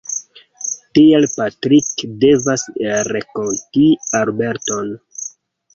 Tial Patrick devas renkonti Albert-on.